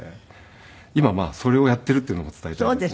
今それをやっているっていうのも伝えたいですね。